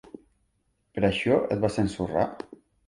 Per això et vas ensorrar?